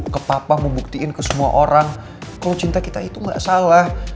ke papa mau buktiin ke semua orang kalau cinta kita itu gak salah